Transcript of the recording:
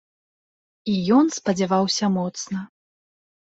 І ён спадзяваўся моцна.